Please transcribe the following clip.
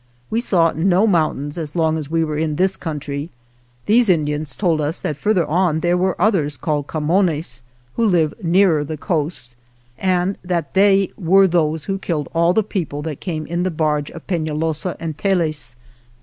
We saw no mountains as long as we were in this country. These Indians told us that further on there were others called Camones, who live nearer the coast, and that they were those who killed all the people that came in the barge of Penalosa and Tellez.